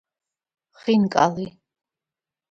ხინკალი